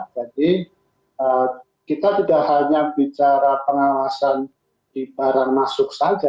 jadi kita tidak hanya bicara pengawasan di barang masuk saja